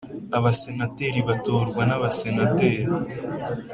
Abasenateri batorwa n’Abasenateri